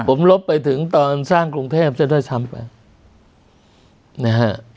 ผมลบไปถึงตอนสร้างกรุงเทพซะด้วยซ้ำไปนะฮะ